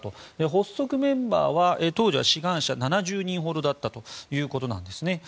発足メンバーは当時は志願者７０人ほどだったということなんですね。